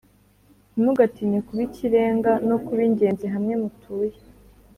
Ntimugatinye kuba ikirenga No kuba ingenzi hamwe mutuye